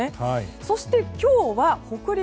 そして、今日は北陸。